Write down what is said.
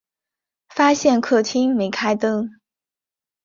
发现客厅没开灯